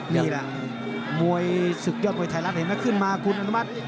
นี่ล่ะมวยสุขยอดมวยไทยรัฐเห็นมั้ยขึ้นมาคุณอนุมัติ